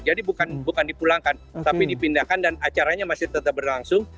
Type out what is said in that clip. jadi bukan dipulangkan tapi dipindahkan dan acaranya masih tetap berlangsung